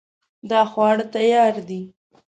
دا خواړه تیار دي